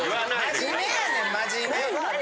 真面目やねん真面目。